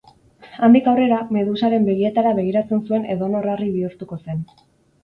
Handik aurrera, Medusaren begietara begiratzen zuen edonor harri bihurtuko zen.